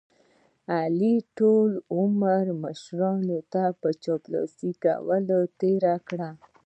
علي ټول عمر مشرانو ته په چاپلوسۍ کولو تېر کړ.